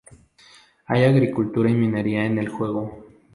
Hay agricultura y minería en el juego.